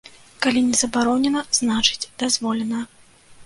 Калі не забаронена, значыць, дазволена.